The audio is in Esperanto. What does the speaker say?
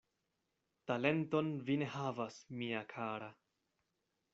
Talenton vi ne havas, mia kara!